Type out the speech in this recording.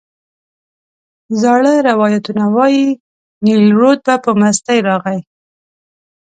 زاړه روایتونه وایي نیل رود به په مستۍ راغی.